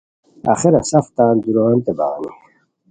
آخرا سف تان دُورانتے بغانی